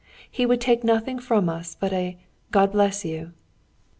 He would take nothing from us but a "God bless you!"